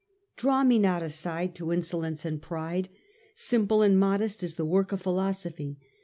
Draw me not aside to insolence and pride Simple and modest is the work of philosophy.